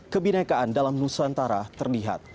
kebinaikan dalam nusantara terlihat